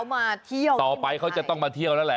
เขามาที่เที่ยวต่อไปเขาจะต้องมาเที่ยวยังไง